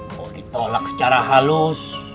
mau ditolak secara halus